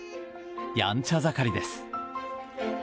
やんちゃ盛りです。